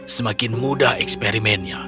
semakin mudah eksperimennya